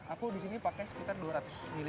aku disini pake sekitar dua ratus ml